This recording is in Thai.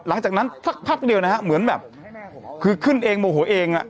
หลังจากนั้นสักพักเดียวนะฮะเหมือนแบบคือขึ้นเองโมโหเอง